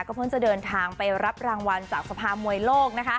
เพิ่งจะเดินทางไปรับรางวัลจากสภามวยโลก